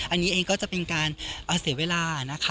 อันนี้เองก็จะเป็นการเสียเวลานะคะ